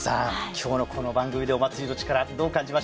今日のこの番組でお祭りのチカラどう感じました？